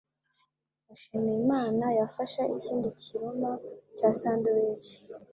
Mushimiyimana yafashe ikindi kiruma cya sandwich